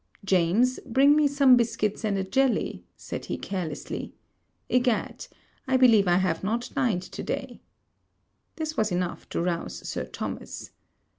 'James, bring me some biscuits and a jelly,' said he carelessly; 'Egad! I believe I have not dined to day.' This was enough to rouse Sir Thomas.